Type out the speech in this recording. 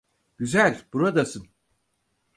Güzel, buradasın.